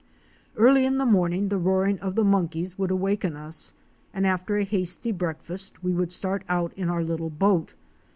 Early in the morning the roaring of the monkeys would awaken us, and after a hasty breakfast we would start out in our little boat.